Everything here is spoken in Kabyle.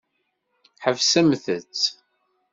Ḥebsemt-tt.